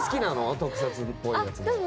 特撮っぽいやつも。